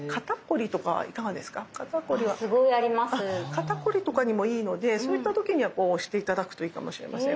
肩凝りとかにもいいのでそういった時には押して頂くといいかもしれません。